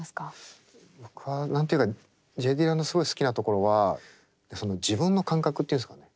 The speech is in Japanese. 僕は何て言うかＪ・ディラのすごい好きなところは自分の感覚というんですかね